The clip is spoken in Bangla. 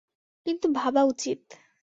কিন্তু ভাবা উচিত।